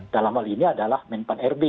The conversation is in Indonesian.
dalam hal ini adalah men pan rd